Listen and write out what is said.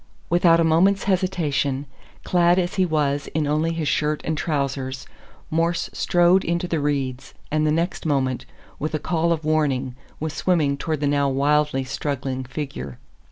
Without a moment's hesitation, clad as he was in only his shirt and trousers, Morse strode into the reeds, and the next moment, with a call of warning, was swimming toward the now wildly struggling figure.